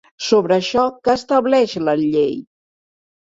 Sobre això, què estableix la llei?